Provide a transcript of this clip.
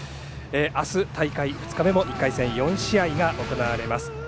明日、大会２日目も１回戦４試合が行われます。